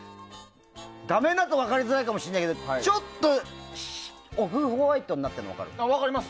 画面だと分かりづらいかもしれないけどちょっとオフホワイトになってるの分かる？